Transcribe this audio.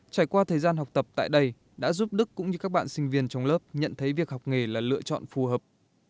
trải qua thời gian học tập tại đây đã giúp đức cũng như các bạn sinh viên trong lớp nhận thấy việc học nghề là lựa chọn phù hợp